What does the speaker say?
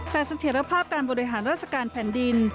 แต่เสถียรภาพการบริหารราชการแผ่นดิน